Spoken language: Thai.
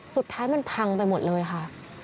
สุดท้ายมันพังไปหมดเลยค่ะ